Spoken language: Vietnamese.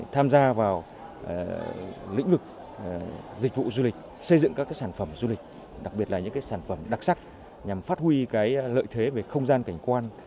tham gia vào lĩnh vực dịch vụ du lịch xây dựng các sản phẩm du lịch đặc biệt là những sản phẩm đặc sắc nhằm phát huy lợi thế về không gian cảnh quan